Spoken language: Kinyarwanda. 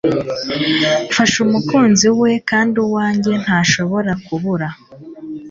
mfashe umukunzi we kandi uwanjye ntashobora kubura